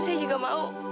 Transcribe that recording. saya juga mau